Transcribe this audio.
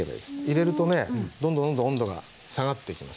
入れるとねどんどんどんどん温度が下がっていきますね。